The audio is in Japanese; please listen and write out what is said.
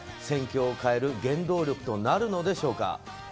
戦況を変える原動力となるのでしょうか。